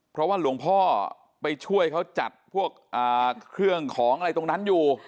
เพราะว่าหลวงพ่อไปช่วยเขาจัดพวกเครื่องของอะไรตรงนั้นอยู่